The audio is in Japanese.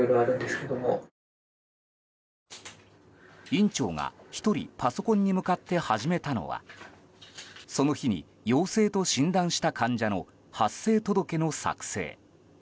院長が１人パソコンに向かって始めたのはその日に陽性と診断した患者の発生届の作成。